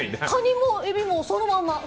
カニもエビもそのまま。